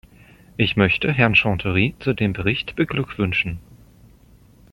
Ich möchte Herrn Chanterie zu dem Bericht beglückwünschen.